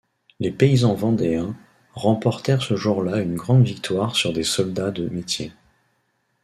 Les paysans vendéens remportèrent ce jour-là une grande victoire sur des soldats de métier.